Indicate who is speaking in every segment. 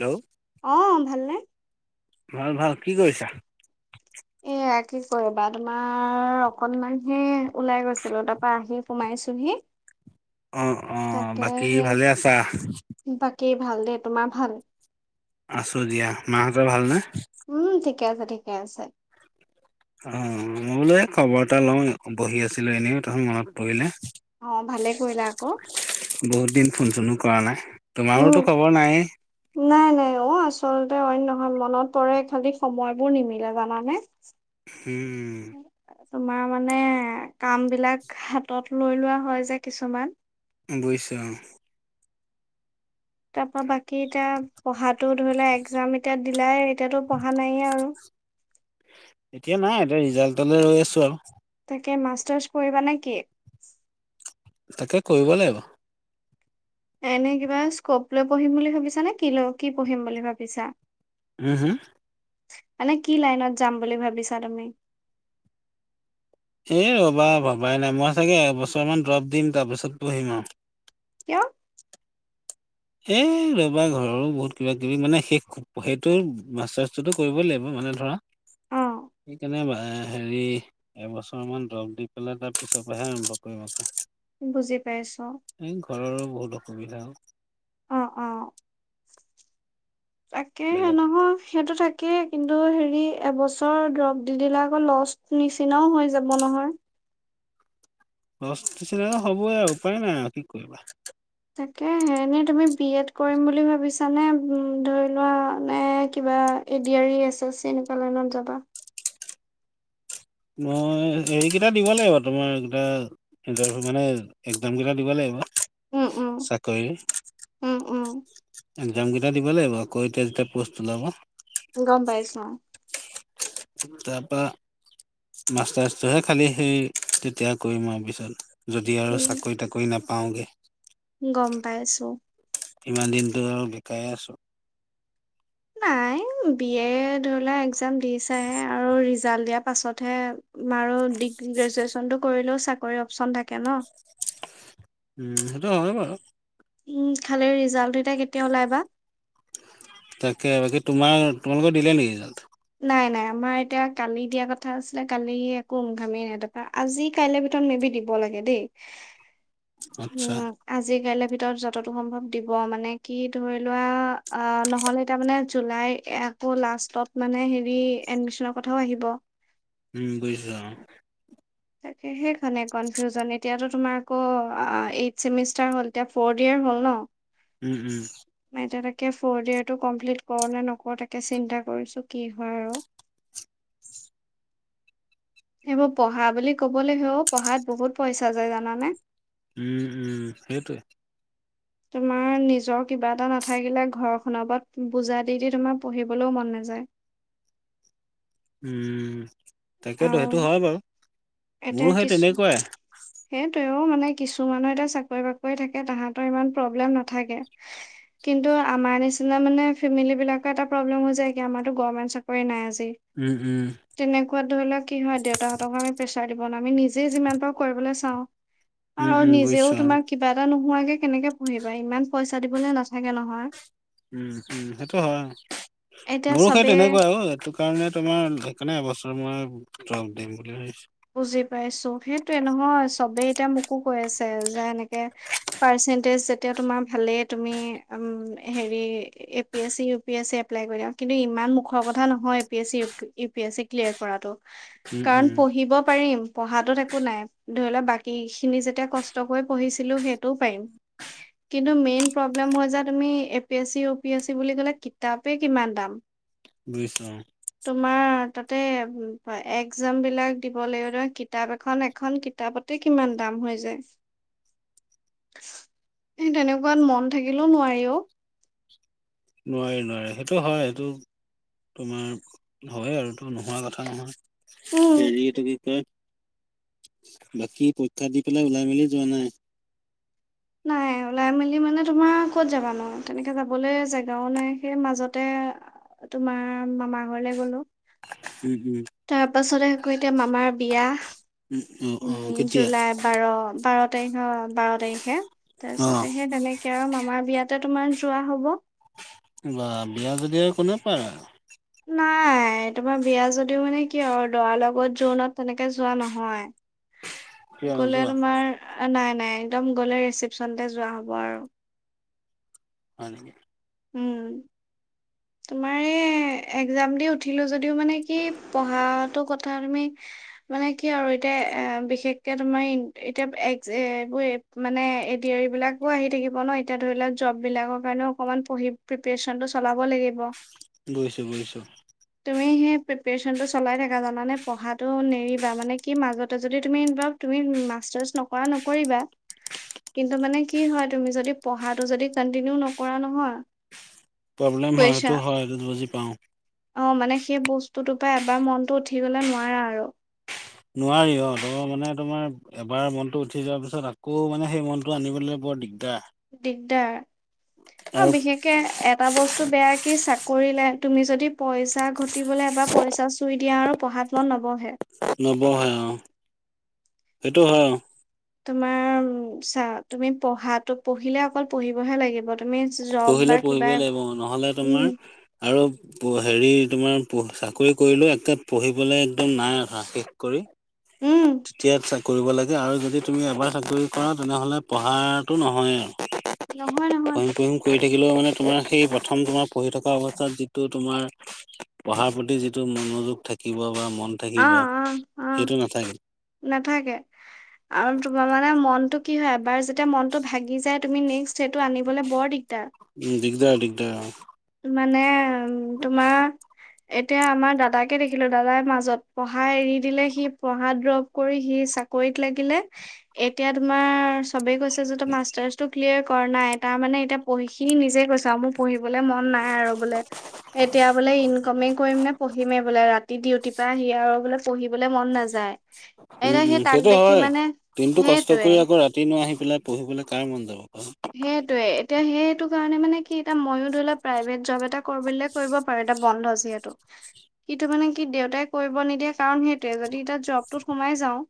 Speaker 1: Hello.
Speaker 2: অ', ভালনে?
Speaker 1: ভাল ভাল, কি কৰিছা?
Speaker 2: এয়া কি কৰিবা তোমাৰ অকনমান হি ওলাই গৈছিলো তাৰপা আহি সোমাইছোহি।
Speaker 1: অ', - অ',
Speaker 2: তাকে
Speaker 1: বাকী
Speaker 2: সেই
Speaker 1: ভালে আছা?
Speaker 2: বাকী ভাল দে, তোমাৰ ভাল?
Speaker 1: আছোঁ দিয়া, মাহঁতৰ ভালনে?
Speaker 2: উম ঠিকে আছে, ঠিকে আছে।
Speaker 1: অহ', মই বোলো এই খবৰ এটা লওঁ, বহি আছিলো এনেই তথত মনত পৰিলে।
Speaker 2: অ', ভালে কৰিলা আকৌ।
Speaker 1: বহুত দিন ফোন চোনো কৰা নাই,
Speaker 2: উম।
Speaker 1: তোমাৰোতো খবৰ নাই এ।
Speaker 2: নাই নাই, অ'। অ', আচলতে অইন নহয়, মনত পৰে খালি সময়বোৰ নিমিলে জানানে!
Speaker 1: উম।
Speaker 2: তোমাৰ মানে, কাম বিলাক হাতত লৈ লোৱা হয় যে কিছুমান।
Speaker 1: বুজিছো অ'।
Speaker 2: তাৰ পৰা বাকী এতিয়া, পঢ়াতো ধৰি লোৱা একজাম এতিয়া দিলাই এতিয়াতো পঢ়া নাই আৰু!
Speaker 1: এতিয়া নাই এতিয়া ৰিজাল্টলৈ ৰৈ আছো আৰু।
Speaker 2: তাকে মাষ্টাৰ্চ কৰিবা নে কি?
Speaker 1: তাকে কৰিব লাগিব।
Speaker 2: এনে কিবা স্কপ লৈ পঢ়িম বুলি ভাবিছা নে কি লৈ কি পঢ়িম বুলি ভাবিছা?
Speaker 1: উম, হুম!
Speaker 2: মানে কি লাইনত যাম বুলি ভাবিছা তুমি?
Speaker 1: এ ৰবা ভবাই নাই মই চাগে এবছৰ মান ড্ৰপ দিম তাৰপিছত পঢ়িম আৰু।
Speaker 2: কিয়?
Speaker 1: এ ৰবা ঘৰৰো বহুত কিবা কিবি মানে সেই সেইটো মষ্টাৰ্চ টো টো কৰিবই লাগিব মানে ধৰা
Speaker 2: অ
Speaker 1: সেইকাৰণে বা হেৰি এবছৰ মান দ্ৰৱ দি পেলাই তাৰ পিছৰ পৰাহে আৰম্ভ কৰিম আকৌ।
Speaker 2: বুজি পাইছো
Speaker 1: এই ঘৰৰো বহুত অসুবিধা
Speaker 2: অ অ তাকে হে
Speaker 1: বেলেগ
Speaker 2: নহয় সেইটো থাকেই কিন্তু হেৰি এবছৰ দ্ৰৱ দি দিলে আকৌ লষ্ট নিচিনাও হৈ যাব নহয়
Speaker 1: লচ কিছুমান হ'বই আৰু উপায় নাই আৰু কি কৰিবা
Speaker 2: তাকে হে এনে তুমি বি এড কৰিম বুলি ভাবিছানে ধৰি লোৱা নে কিবা A D R ৰী S S C এনেকুৱা লাইনত যাবা
Speaker 1: মই হেৰিকেইটা দিব লাগিব তোমাৰ কেইটা ইণ্টাৰভিউ মানে এক্জাম কেইটা দিব লাগিব
Speaker 2: উম উম
Speaker 1: চে কৰি
Speaker 2: উম উম
Speaker 1: এক্জাম কেইটা দিব লাগিব আকৌ এতিয়া যেতিয়া পোষ্ট ওলাব
Speaker 2: গম পাইছো
Speaker 1: তাপা মাষ্টাৰছটোহে খালি সেই তেতিয়া কৰিম আৰু পিছত যদি আৰু
Speaker 2: উম
Speaker 1: চাকৰি তাকৰি নাপাওঁগে
Speaker 2: গম পাইছো।
Speaker 1: ইমান দিনতো আৰু বেকাৰে আছো
Speaker 2: নাই বি এ ধৰিলোৱা এক্জাম দিচাহে আৰু ৰিজাল্ট দিয়া পাছতহে আৰু ডিগ্ৰী গ্ৰেজুৱেচন টো কৰিলেও চাকৰি অপচন থাকে ন
Speaker 1: উম সেইটো হয় বাৰু
Speaker 2: উম খালি ৰিজাল্টটো এতিয়া কেতিয়া ওলাই বা
Speaker 1: তাকে বাকী তোমাৰ তোমালোকৰ দিলে নেকি ৰিজাল্ট
Speaker 2: নাই নাই আমাৰ এতিয়া কালি দিয়া কথা আছিলে কালি একো উম-ঘামেই নাই তাৰ পা আজি কাইলে ভিতৰত মে বি দিব লাগে দেই
Speaker 1: [unintelligible] আচ্ছা,
Speaker 2: [unintelligible] আজি কাইলেৰ ভিতৰত যততো সম্ভৱ দিব মানে কি ধৰি লোৱা আ নহ'লে এতিয়া মানে জুলাই এ আকৌ লাষ্টত মানে হেৰি এডমিশনৰ কথাও আহিব
Speaker 1: উম বুজিছো অ
Speaker 2: তাকে সেইখনে কনফিউজন এতিয়াতো তোমাৰ আকৌ এইট চেমিষ্টাৰ হল এতিয়া ফ'ৰ্থ ইয়েৰ হ'ল ন
Speaker 1: উম উম
Speaker 2: মই এতিয়া তাকে ফৰ্থ ইয়েৰটো কমপ্লিট কৰো নে নকৰো তাকে চিন্তা কৰিছো কি হয় আৰু এইবোৰ পঢ়া বুলি কবলেহে অ পঢ়াত বহুত পইচা যায় জানানে
Speaker 1: উম উম সেইটোৱে
Speaker 2: তোমাৰ নিজৰ কিবা এটা নাথাকিলে ঘৰখনৰ ওপত বুজা দি দি তোমাৰ পঢ়িবলৈও মন নাযায়
Speaker 1: উম তাকেতো
Speaker 2: আৰু
Speaker 1: সেইটো হয় বাৰু মোৰো সেই তেনেকুৱাই
Speaker 2: সেইটোৱে অ মানে কিছুমানৰ এতিয়া চাকৰি বাকৰি থাকে তাহাঁতৰ ইমান প্ৰব্লেম নাথাকে কিন্তু আমাৰ নিচিনা মানে ফেমিলী বিলাকৰ এটা প্ৰব্লেম হৈ যায় কি আমাৰতো গভৰ্মেণ্ট চাকৰি নাই আজি
Speaker 1: উম হুম
Speaker 2: তেনেকুৱাত ধৰি লওক কি হয় দেউতাহঁতক আমি প্ৰেছাৰ দিব নোৱাও আমি নিজে যিমান পাৰো কৰিবলে চাওঁ
Speaker 1: উম
Speaker 2: আৰু
Speaker 1: উম
Speaker 2: নিজেও
Speaker 1: বুজিছো অ।
Speaker 2: তোমাৰ কিবা এটা নোহোৱাকে কেনেকে পঢ়িবা ইমান পইচা দিবলে নাথাকে নহয়
Speaker 1: উম হুম সেইটো হয়
Speaker 2: এতিয়া
Speaker 1: মোৰো সেই
Speaker 2: চবে
Speaker 1: তেনেকুৱাই অ এইটো সেই কাৰণে তোমাৰ সেইকাৰণে এবছৰ মই দ্ৰপ দিম বুলি ভাবিছো
Speaker 2: বুজি পাইছো সেইটোয়ে নহয় চবেই এতিয়া মোকো কৈ আছে যে এনেক পাৰ্চন্টেজ যেতিয়া তোমাৰ ভালেই, তুমি উম হেৰি A P S C, U P S C apply কৰি দিয়া। কিন্তু ইমান মুখৰ কথা নহয় A P S C, U P S C clear কৰাটো।
Speaker 1: উম
Speaker 2: কাৰণ
Speaker 1: উম
Speaker 2: পঢ়িব পাৰিম পঢ়াতোত একো নাই, ধৰি লোৱা বাকী খিনি যেতিয়া কষ্ট কৰি পঢ়িছিলো সেইটোও পাৰিম। কিন্তু মেইন প্ৰব্লেম হৈ যায়, তুমি A P S C, U P S C বুলি কলে, কিতাপেই কিমান দাম।
Speaker 1: বুজিছো অঁ।
Speaker 2: তোমাৰ তাতে একজাম বিলাক দিব লাগিব ধ কিতাপ এখন, এখন কিতাপতে কিমান দাম হৈ যায়। সে তেনেকুৱাত মন থাকিলেও নোৱাৰি অঁ।
Speaker 1: নোৱাৰি নোৱাৰি সেইটো হয়, সেইটো তোমাৰ হয় আৰু টো নোহোৱা কথা নহয়।
Speaker 2: উম।
Speaker 1: হেৰি এইটো কি বাকী পৰীক্ষা দি পেলাই ওলাই মেলি যোৱা নাই?
Speaker 2: নাই উলা চাই মেলি মানে তোমাৰ ক'ত যাবা নো, তেনেকে যাবলে জেগাও নাই, সেই মাজতে তোমাৰ মামা ঘৰলে গলো।
Speaker 1: উম ' উম '।
Speaker 2: তাৰ পাছতে আকৌ এতিয়া মামাৰ বিয়া।
Speaker 1: উম অ অ
Speaker 2: উম'
Speaker 1: কেতিয়া
Speaker 2: জুলাই বাৰ, বাৰ তাৰিখ বাৰ তাৰিখে, তাৰ
Speaker 1: অ
Speaker 2: পিছতে সে তেনেকে কেবাৰে মামাৰ বিয়াতে তোমাৰ যোৱা হ'ব।
Speaker 1: বা বিয়া যদি আৰু কোনে পায়।
Speaker 2: নাই তোমাৰ বিয়া যদিও মানে কি আৰু, দৰা লগত জোৰনত তেনেকে যোৱা নহয়।
Speaker 1: কিয়
Speaker 2: গলে
Speaker 1: নোযোৱা
Speaker 2: তোমাৰ নাই নাই একদম গ'লে ৰিচিপচনতে যোৱা হ'ব আৰু।
Speaker 1: হয় নিকি।
Speaker 2: উম। তোমাৰ এই একজাম দি উঠিলো যদিও মানে কি, পঢ়াটো কথা তুমি মানে কি আৰু এতিয়া এ বিশেষকে তোমাৰ এতিয়া এইবোৰে মানে এডি- আৰ -ই বিলাকো আহি থাকিব ন, এতিয়া ধৰি লওঁ জব বিলাকৰ কাৰণেও অকমান পঢ়ি প্ৰিপেচনটো চলাব লাগিব।
Speaker 1: বুইছো, বুইছোঁ।
Speaker 2: তুমি সেই প্ৰিপেচনটো চলাই থাকা জানা নে, পঢ়াটো নেৰিবা মানে কি মাজতে যদি তুমি বা তুমি মাষ্টাৰ্চ নকৰা নকৰিবা। কিন্তু মানে কি হয়, তুমি যদি পঢ়াটো যদি কন্টিনিউ নকৰা নহয়।
Speaker 1: প্ৰব্লেম হয়,
Speaker 2: কৈছা
Speaker 1: সেইটো হয়, সেইটো বুজি পাওঁ।
Speaker 2: অ মানে সেই বস্তুটোৰ পৰা এবাৰ মনটো উঠি গলে নোৱাৰে আৰু।
Speaker 1: নোৱাৰি অ তাপা মানে তোমাৰ এবাৰ মনটো উঠি যোৱাৰ পিছত, আকৌ মানে সেই মনটো আনিবলে বৰ দিগদাৰ।
Speaker 2: দিগদাৰ, অ
Speaker 1: আৰু
Speaker 2: বিশেষকে এটা বস্তু বেয়া কি চাকৰি লাইন, তুমি যদি পইচা ঘটিবলে বা পইচা চুই দিয়া আৰু পঢ়াত মন নবহে।
Speaker 1: নবহে অ, সেইটো হয় অ।
Speaker 2: তোমাৰ চা, তুমি পঢ়াত, পঢ়িলে অকল পঢ়িবহে লাগিব। তুমি জব
Speaker 1: পঢ়িলে
Speaker 2: বা কিবা
Speaker 1: পঢ়িবই লাগিব, নহলে
Speaker 2: উম
Speaker 1: তোমাৰ আৰু হেৰি তোমাৰ চাকৰি কৰিলে, একে পঢ়িবলে একদম নাই আশা শেষ কৰি।
Speaker 2: উম
Speaker 1: তেতিয়া কৰিব লাগে আৰু যদি তুমি এবাৰ চাকৰি কৰা তেনেহ'লে পঢ়াটো নহয়েই।
Speaker 2: নহয়, নহয়।
Speaker 1: কৰি থাকিলেও মানে তোমাৰ সেই প্ৰথম তোমাৰ পঢ়ি থকা অৱস্থাত যিটো তোমাৰ। পঢ়াৰ প্ৰতি যিটো মনোযোগ থাকিব বা মন
Speaker 2: অ
Speaker 1: থাকিব
Speaker 2: অ অ
Speaker 1: সেইটো নাথাকে।
Speaker 2: নাথাকে। আৰু তোমাৰ মানে মনটো কি হয় এবাৰ যেতিয়া মনটো ভাগি যায় তুমি নেক্সট সেইটো আনিবলৈ বৰ দিগদাৰ।
Speaker 1: উম দিগদাৰ দিগদাৰ অ,
Speaker 2: মানে উ তোমাৰ, এতিয়া আমাৰ দাদাকে দেখিলো দাদাৰ মাজত পঢ়া এৰি দিলে সি পঢ়া দ্ৰৱ কৰি সি চাকৰিত লাগিলে এতিয়া তোমাৰ, সবেই কৈছে যত মাষ্টাৰছ টো ক্লিয়াৰ কৰা নাই তাৰ মানে এতিয়া পঢ়ি নিজে কৈছ আৰু মোৰ পঢ়িব মন নাই আৰু বোলে এতিয়া বোলে ইনকমে কৰিম নে পঢ়িমেই বোলে ৰাতি, ডিউটিৰ পৰা আহি সি আৰু বোলে পঢ়িবলৈ মন নাযায়।
Speaker 1: উম
Speaker 2: এতিয়া
Speaker 1: উম
Speaker 2: সেই তাক
Speaker 1: সেইটো
Speaker 2: দেখি
Speaker 1: হয়
Speaker 2: মানে
Speaker 1: দিনটো কষ্ট
Speaker 2: সেইটোৱে
Speaker 1: কৰি আকৌ ৰাত দিন আহি পেলাই পঢ়িবলৈ কাৰ মন যাব ক
Speaker 2: সেইটোৱে এতিয়া সেইটো কাৰণে মানে কি এতিয়া মইও ধৰি লোৱা প্ৰাইভেট জব এটা কৰিবলে। কৰিব পাৰে এটা বন্ধ আছে যিহেতু। সেইটো মানে কি দেউতাই কৰিব নিদিয়ে কাৰণ সেইটোৱে যদি এতিয়া জবটোত সোমাই যাওঁ,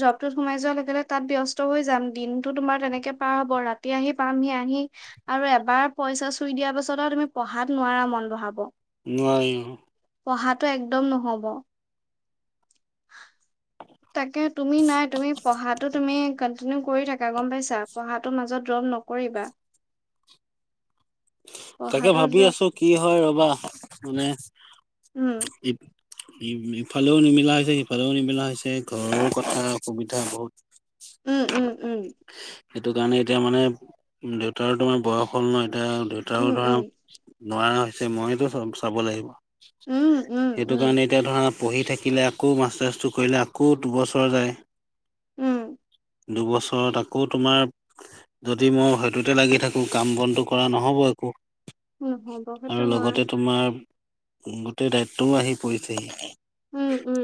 Speaker 2: জবটোত সোমাই যোৱাৰ লগে লগে তাত ব্যস্ত হৈ যাম দিনতো তোমাৰ তেনেকে পাৰ হ'ব ৰাত তেতিয়াহে পামহি আহি, আৰু এবাৰ পইচা চুই দিয়াৰ পাছত আৰু তুমি পঢ়াত নোৱাৰা মন বঢ়াব।
Speaker 1: নোৱাৰি অ,
Speaker 2: পঢ়াটো একদম নহব। তাকে তুমি নাই তুমি পঢ়া তুমি কন্টিনিউ কৰি থাকা গম পাইছা পঢ়াটো মাজত ড্ৰপ নকৰিবা।
Speaker 1: [inaudible] তাকে
Speaker 2: পঢ়াটো
Speaker 1: ভাবি
Speaker 2: ড্ৰপ
Speaker 1: আছো কি হয় ৰবা মানে,
Speaker 2: উম
Speaker 1: ইফালেও নিমিলা হৈছে সিফালেও নিমিলা হৈছে ঘৰৰ কথা অসুবিধা বহুত,
Speaker 2: উম উম উম,
Speaker 1: সেইটো কাৰণে এতিয়া মানে দেউতাৰ তোমাৰ বয়স হ'ল ন এতিয়া দেউতাও
Speaker 2: উম
Speaker 1: ধৰা।
Speaker 2: উম
Speaker 1: নোৱাৰা হৈছে মইতো চব চাব লাগিব
Speaker 2: উম উম
Speaker 1: সেইটো
Speaker 2: উম
Speaker 1: কাৰণে এতিয়া ধৰা, পঢ়ি থাকিলে আকৌ মাষ্টাৰ্ছটো কৰিলে আকৌ দুবছৰ যায়।
Speaker 2: উম,
Speaker 1: দুবছৰত আকৌ তোমাৰ যদি মই সেইটোতে লাগি থাকোঁ কাম বনটো কৰা নহ'ব।
Speaker 2: নহব সেইটো
Speaker 1: আৰু
Speaker 2: হয়
Speaker 1: লগতে তোমাৰ। গোটেই দায়িত্বও আহি পৰিছেহি
Speaker 2: উম উম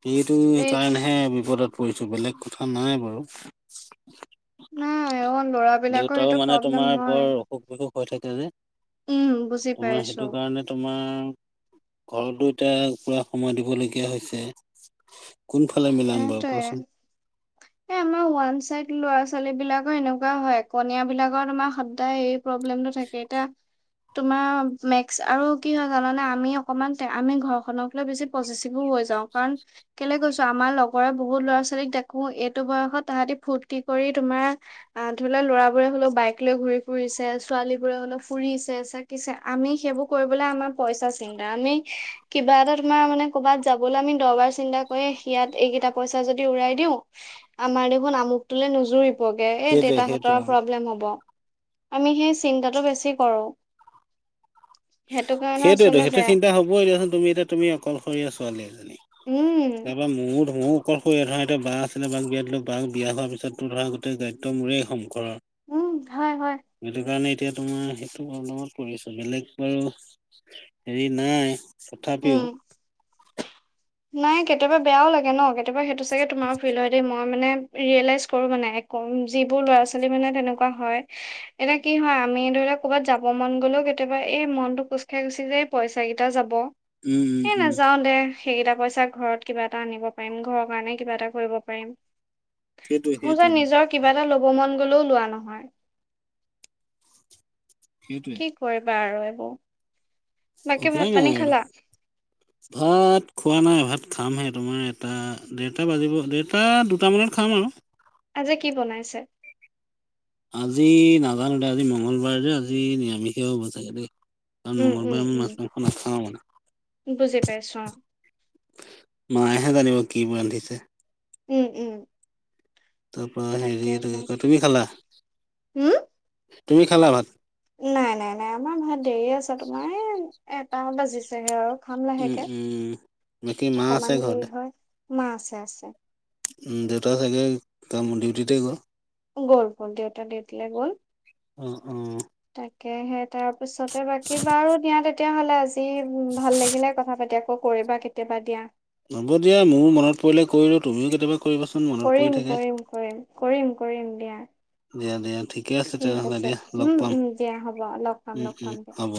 Speaker 1: সেইটো
Speaker 2: এই
Speaker 1: কাৰণে, [unintelligible] বিপদত পৰিছো বেলেগ কথা নাই বাৰু
Speaker 2: নাই অ ল'ৰাবিলাকৰ
Speaker 1: দেউতাও
Speaker 2: সেইটো
Speaker 1: মানে
Speaker 2: প্ৰব্লেম
Speaker 1: তোমাৰ
Speaker 2: হয়
Speaker 1: বৰ। অসুখও হৈ থাকে যে
Speaker 2: উম বুজি
Speaker 1: তোমাৰ সেইটো
Speaker 2: পাইছো
Speaker 1: কাৰণে। তোমাৰ ঘৰ দুটা পুৰা সময় দিবলগীয়া হৈছে। কোনফালে মিলাম বাৰু
Speaker 2: সেইটোয়ে
Speaker 1: কোৱাচোন।
Speaker 2: এ আমাৰ ওৱান চাইড ল'ৰা-ছোৱালী বিলাকৰ এনেকুৱা হয় কনিয় বিলাকৰ তোমাৰ সদায় এই, প্ৰব্লেমটো থাকে এতিয়া। তোমাৰ মেক্স আৰু কি হয় জানানে আমি অকণমান আমি ঘৰখনক লৈ বেছি। পচেচিপও হৈ যাও কাৰণ কেলে কৈছো আ আমাৰ লগৰ বহুত ল'ৰা-ছোৱালীক দেখো এইটো বয়সত তাহাঁতি ফূৰ্তি কৰি তোমাৰ। আহ ধৰি লোৱা লৰাবোৰে হলেও বাইক লৈ ঘূৰি ফুৰিছে ছোৱালী বোৰে হলে ফুৰিছে পছে আমি সেইবোৰ কৰিবলৈ আমাৰ পইচা চিন্তা আমি কিবা এটা তোমাৰ মানে। ক'ৰবাত যাবলৈ আমি দহবাৰ চিন্তা কৰি ইয়াত এইকেইটা পইচা যদি উৰাই দিওঁ। আমাৰ দেখোন আমুকটোলৈ নোযুৰি বৰগে এই
Speaker 1: সেইটোৱে
Speaker 2: দেতাহঁতৰ
Speaker 1: সেইটোৱে অ
Speaker 2: প্ৰব্লেম হ'ব। আমি সেই চিন্তাটো বেছি কৰোঁ। সেইটো কাৰণে আচলতে বেয়া।
Speaker 1: কব দিয়াচোন তুমি এতিয়া তুমি অকলশৰীয়া ছোৱালী।
Speaker 2: উম
Speaker 1: তাৰপৰা মও ধও আকলশৰীয়া ধৰা, এতিয়া বা আছিলে বাক বিয়া দিলো। বা বিয়া হোৱাৰ পিছত তো ধৰা গোটেই দায়িত্ব মোৰেই সংসাৰ আও।
Speaker 2: উম, হয় হয়।
Speaker 1: সেইটো কাৰণে এতিয়া তোমাৰ সেইটো প্ৰব্লেমত পৰি আছো। বেলেগ বাৰু হেৰি নাই
Speaker 2: উম
Speaker 1: তথাপিও
Speaker 2: নাই কেতিয়াবা বেয়াও লাগে ন'? কেতিয়াবা সেইটো চাগে তোমাৰ ফিল হয় দেই মই মই মানে, ৰিয়েলাইচ কৰো মানে যিবোৰ ল'ৰা-ছোৱালীৰ মানে তেনেকুৱা হয়। এতিয়া কি হয় আমি ধৰি লওক ক'বাত যাব মন গ'লেও কেতিয়াবা এই মনটো কোচ খাই গুচি যায়। এই পইচা কেইটা যাব,
Speaker 1: উম উম
Speaker 2: এই
Speaker 1: উম
Speaker 2: নাযাও দে। সেইকেইটা পইচা ঘৰত কিবা এটা আনিব পাৰিম, ঘৰৰ কাৰণে কিবা এটা কৰিব পাৰিম।
Speaker 1: সেইটোৱে
Speaker 2: মোৰ যে
Speaker 1: সেইটোৱে
Speaker 2: নিজৰ কিবা এটা ল'ব মন গলেও লোৱা নহয়।
Speaker 1: সেইটোৱে।
Speaker 2: কি কৰিবা আৰু এইবোৰ? বাকী ভাত
Speaker 1: উপায়
Speaker 2: পানী
Speaker 1: নাই আৰু।
Speaker 2: খালা
Speaker 1: ভাত খোৱা নাই। ভাত খামহে তোমাৰ এটা, ডেৰটা বাজিব। ডেৰটা দুটামানত খাম আৰু।
Speaker 2: আজি কি বনাইছে?
Speaker 1: আজি নাজানো দে। আজি মঙগলবাৰে যে আজি নিৰামিষে হ'ব চাগে দেই। কাৰন
Speaker 2: উম উম
Speaker 1: মঙলবাৰে মই
Speaker 2: উম
Speaker 1: মাছ মাংস নাখাওঁ
Speaker 2: বুজি পাইছো অ
Speaker 1: মানে। মায়েহে জানিব কি ৰান্ধিছে।
Speaker 2: উম, উম।
Speaker 1: তাৰপৰা হেৰি এইটো
Speaker 2: তাকেহে
Speaker 1: কি কয়? তুমি খালা,
Speaker 2: উম
Speaker 1: তুমি খালা ভাত?
Speaker 2: নাই নাই নাই আমাৰ ভাত দেৰি আছে তোমাৰ এই এটা বাজিছেহে আৰু। খাম
Speaker 1: উম,
Speaker 2: লাহেকে।
Speaker 1: উম। বাকী মা আছে
Speaker 2: অকমান দেৰি
Speaker 1: ঘৰতে,
Speaker 2: হয়। ব মা আছে, আছে।
Speaker 1: দেউতা চাগে কাম, ডিউটিতে গ'ল?
Speaker 2: গ'ল, গ'ল। দেউতা ডিউটিলে গ'ল।
Speaker 1: অঁ, অঁ।
Speaker 2: তাকে হে তাৰপিছতে বাকী বাৰু দিয়া তে তিয়া হ'লে আজি উম ভাল লাগিলে কথা পাতি আকৌ কৰিবা কেতিয়াবা দিয়া।
Speaker 1: হ'ব দিয়া। মোৰো মনত পৰিলে কৰিলো। তুমিও কেতিয়াবা কৰিবাচোন ম
Speaker 2: কৰিম, কৰিম কৰিম। কৰিম, কৰিম দিয়া।
Speaker 1: দিয়া, দিয়া ঠিকে আছে
Speaker 2: ঠিক
Speaker 1: তেনেহ'লে দিয়া লগ
Speaker 2: উম
Speaker 1: পাম।
Speaker 2: উম দিয়া হ'ব লগ পাম
Speaker 1: উম,
Speaker 2: লগ
Speaker 1: উম
Speaker 2: পাম দিয়া
Speaker 1: হ'ব।